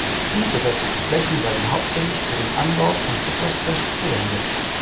Die bewässerten Flächen werden hauptsächlich für den Anbau von Zitrusfrüchten verwendet.